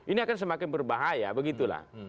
ini akan semakin berbahaya begitu lah